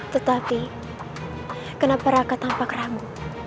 tetapi kenapa raka tampak ramu